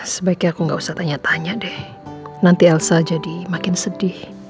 sebaiknya aku gak usah tanya tanya deh nanti elsa jadi makin sedih